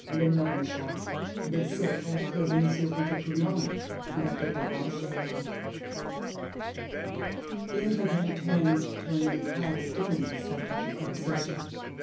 (le nom m'echappe) le secre taire de Monsieur Pontecoulant, qui I'a fait arranger." The Emperor then turned to an entirely different subject of conversation.